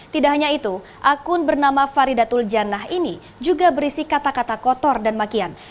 tidak hanya itu akun bernama faridatul janah ini juga berisi kata kata kotor dan makian